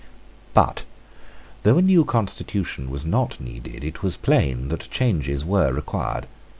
But, though a new constitution was not needed, it was plain that changes were required.